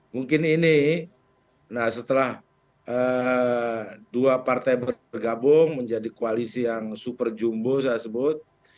mungkin ini nah setelah dua partai bergabung menjadi koalisi yang super jumbo saya sebut